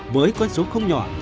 với con số không nhỏ